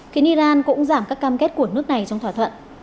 khiến iran cũng giảm các cam kết của nước này trong thỏa thuận